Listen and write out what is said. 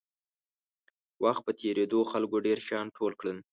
وخت په تېرېدو خلکو ډېر شیان ټول کړل.